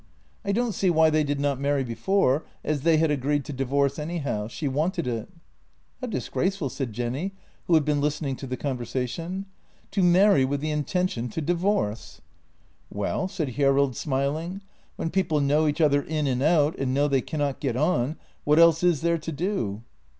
I don't see why they did not marry before, as they had agreed to divorce any how. She wanted it." " How disgraceful," said Jenny, who had been listening to the conversation. "To marry with the intention to divorce! "" Well," said Hjerrild, smiling. " When people know each other in and out, and know they cannot get on, what else is there to do?